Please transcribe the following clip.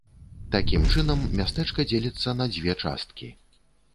Такім чынам мястэчка дзеліцца на дзве часткі.